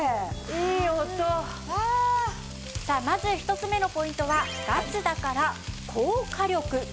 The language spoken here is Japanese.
さあまず１つ目のポイントはガスだから高火力です。